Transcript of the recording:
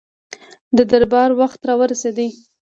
د دربار وخت را ورسېدی.